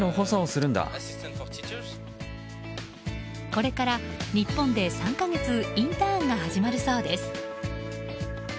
これから日本で、３か月インターンが始まるそうです。